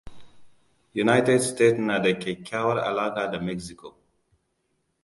United State na da kyakkyawar alaƙa da Mexico.